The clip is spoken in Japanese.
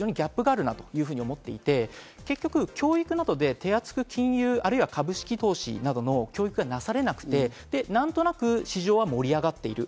そこにギャップがあるなと思っていて、教育などで手厚く、金融や株式投資などの教育がなされなくて、何となく市場は盛り上がっている。